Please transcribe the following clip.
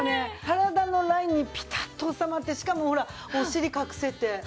体のラインにピタッと収まってしかもほらお尻隠せて。